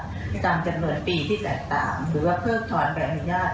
ตามจำนวนปีที่แตกต่างหรือว่าเพิกถอนใบอนุญาต